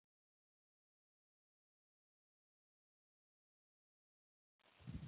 施泰尔埃格是奥地利上奥地利州乌尔法尔城郊县的一个市镇。